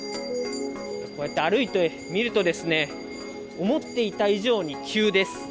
こうやって歩いてみると、思っていた以上に急です。